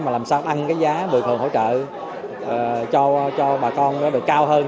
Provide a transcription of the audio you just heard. mà làm sao ăn cái giá bồi thường hỗ trợ cho bà con nó được cao hơn